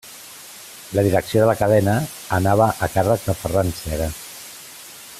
La direcció de la cadena anava a càrrec de Ferran Cera.